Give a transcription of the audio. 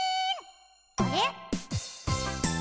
あれ？